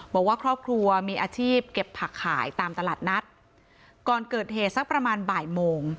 บอกว่าครอบครัวมีอาชีพเก็บผักขายตามตลาดนัดก่อนเกิดเหตุสักประมาณบ่ายโมง